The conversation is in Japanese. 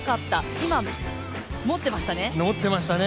今、持ってましたね。